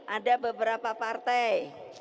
ada beberapa partai